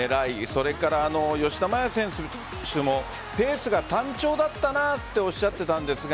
それから吉田麻也選手もペースが単調だったなとおっしゃってたんですが